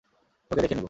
তোকে দেখে নিব।